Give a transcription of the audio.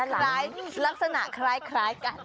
ลักษณะคล้ายกัน